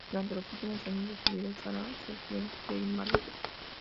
Durante los últimos años de su vida, Sara sufrió de invalidez.